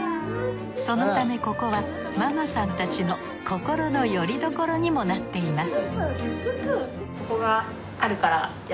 そのためここはママさんたちの心のよりどころにもなっています